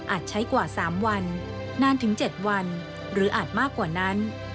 ใช้กว่า๓วันนานถึง๗วันหรืออาจมากกว่านั้น